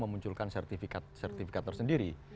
memunculkan sertifikat sertifikat tersendiri